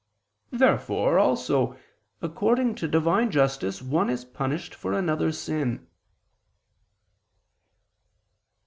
Therefore also according to Divine justice, one is punished for another's sin.